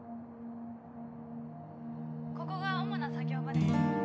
ここが主な作業場です